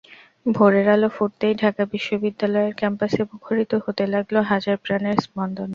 ভোরের আলো ফুটতেই ঢাকা বিশ্ববিদ্যালয়ের ক্যাম্পাস মুখরিত হতে লাগল হাজার প্রাণের স্পন্দনে।